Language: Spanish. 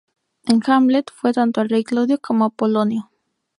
En "Hamlet" fue tanto el Rey Claudio como Polonio.